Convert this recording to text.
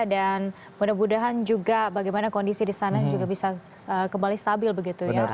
dan mudah mudahan juga bagaimana kondisi di sana juga bisa kembali stabil begitu ya